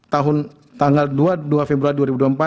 tahun tanggal dua februari dua ribu dua puluh empat